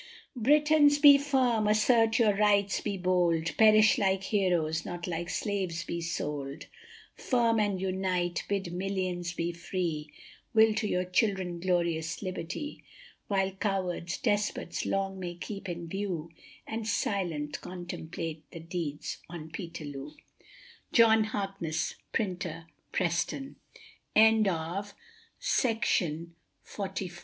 Britons, be firm, assert your rights, be bold, Perish like heroes, not like slaves be sold,; Firm and unite, bid millions be free, Will to your children glorious liberty, While cowards despots long may keep in view, And silent contemplate the deeds on Peterloo. John Harkness, Printer, Pre